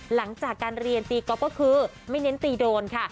หลังจากการเรียนตีก๊อฟก็คือไม่เน้นตีโดนค่ะ